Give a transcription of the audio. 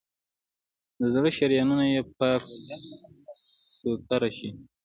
د زړه شریانونه یې پاک سوتره شي.